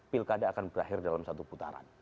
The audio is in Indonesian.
pilkada akan berakhir dalam satu putaran